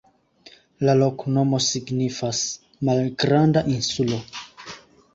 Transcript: La loknomo signifas: malgranda insulo.